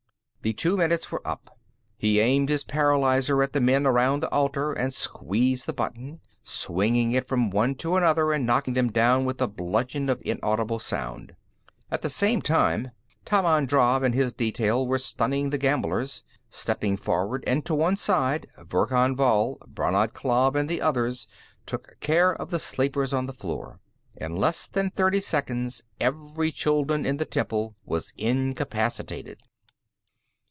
The two minutes were up. He aimed his paralyzer at the men around the altar and squeezed the button, swinging it from one to another and knocking them down with a bludgeon of inaudible sound. At the same time, Tammand Drav and his detail were stunning the gamblers. Stepping forward and to one side, Verkan Vall, Brannad Klav and the others took care of the sleepers on the floor. In less than thirty seconds, every Chuldun in the temple was incapacitated.